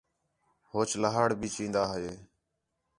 ہوچ لہاڑ بھی چین٘دا ہِے